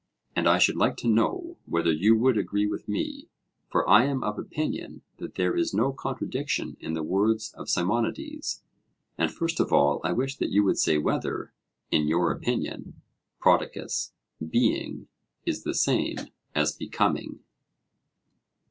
And I should like to know whether you would agree with me; for I am of opinion that there is no contradiction in the words of Simonides. And first of all I wish that you would say whether, in your opinion, Prodicus, 'being' is the same as 'becoming.'